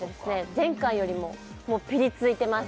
前回よりもピリついてます